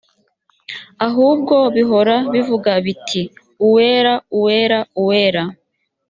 ahubwo bihora bivuga biti “uwera, uwera, uwera”